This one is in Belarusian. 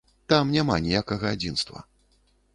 Там няма ніякага адзінства.